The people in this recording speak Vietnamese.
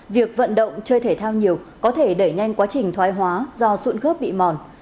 việc vận động chơi thể thao nhiều có thể đẩy nhanh quá trình thoái hóa do xuộn khớp bị mòn